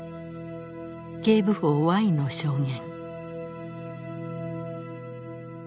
警部補Ｙの証言。